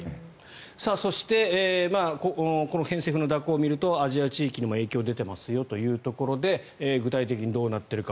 そしてこの偏西風の蛇行を見るとアジア地域にも影響が出ていますよというところで具体的にどうなってるか。